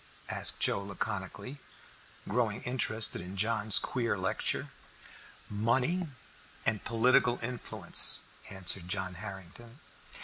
asked Joe laconically, growing interested in John's queer lecture. "Money and political influence," answered John Harrington.